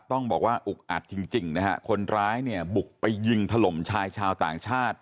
ต้องบอกว่าอุ๊กอัดจริงคนร้ายบุกไปยิงทะลมชายชาวต่างชาติ